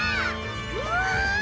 うわ！